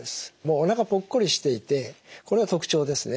おなかぽっこりしていてこれが特徴ですね。